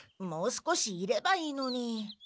もう少しいればいいのに。